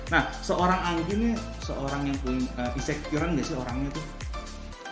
nah seorang anginnya seorang yang insecure nggak sih orangnya tuh